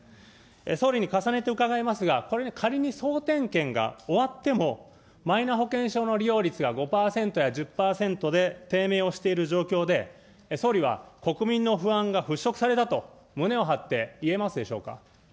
総理に重ねて伺いますが、これ、仮に総点検が終わっても、マイナ保険証の利用率は５％や１０％で低迷をしている状況で、総理は国民の不安が払拭されたと胸を張って言えますでしょうか。